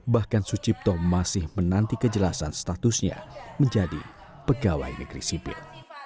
bahkan sucipto masih menanti kejelasan statusnya menjadi pegawai negeri sipil